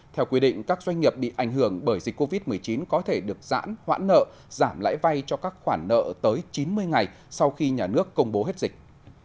theo quy định các doanh nghiệp bị ảnh hưởng bởi dịch covid một mươi chín có thể được giãn hoãn nợ giảm lãi vay cho các khoản nợ tới chín mươi ngày sau khi nhà nước công bố hết dịch